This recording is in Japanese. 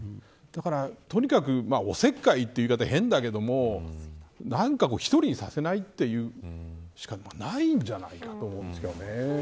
とにかく、おせっかいという言い方は変ですが１人にさせないというしかないんじゃないですか。